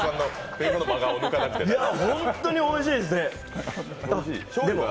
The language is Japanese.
本当においしいですね。